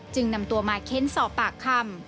นำตัวมาเค้นสอบปากคำ